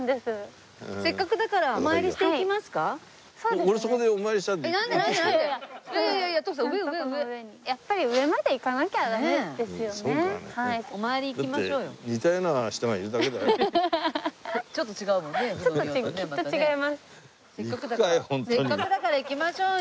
せっかくだから行きましょうよ！